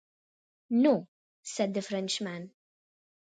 “No,” said the Frenchman.